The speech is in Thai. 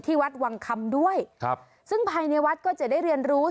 วัดวังคำด้วยครับซึ่งภายในวัดก็จะได้เรียนรู้